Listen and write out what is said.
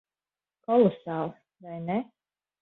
Kolosāli. Vai ne?